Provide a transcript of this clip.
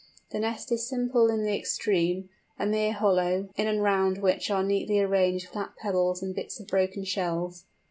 The nest is simple in the extreme—a mere hollow, in and round which are neatly arranged flat pebbles and bits of broken shells.